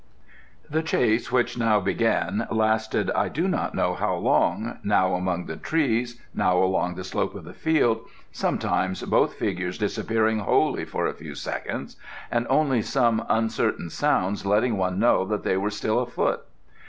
The chase which now began lasted I do not know how long, now among the trees, now along the slope of the field, sometimes both figures disappearing wholly for a few seconds, and only some uncertain sounds letting one know that they were still afoot.